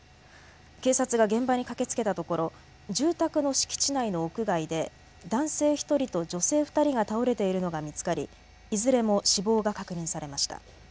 警察が現場に駆けつけたところ住宅の敷地内の屋外で男性１人と女性２人が倒れているのが見つかりいずれも死亡が確認されました。